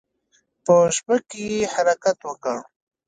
په شپه کې يې حرکت وکړ.